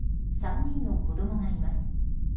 ３人の子供がいます。